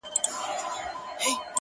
• ما وېل سفر کومه ځمه او بیا نه راځمه.